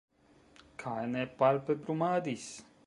Kaj ne palpebrumadis.